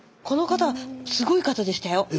この方すごい方でしたよ。